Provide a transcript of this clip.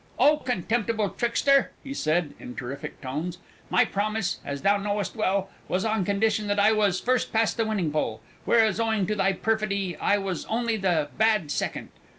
"O contemptible trickster!" he said, in terrific tones, "my promise (as thou knowest well) was on condition that I was first past the winning pole. Whereas owing to thy perfidy I was only the bad second.